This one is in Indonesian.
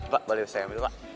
pak boleh saya ambil pak